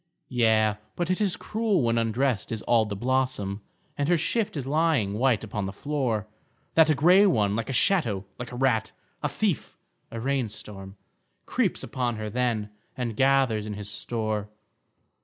Yea, but it is cruel when undressed is all the blossom, And her shift is lying white upon the floor, That a grey one, like a shadow, like a rat, a thief, a rain storm Creeps upon her then and gathers in his store.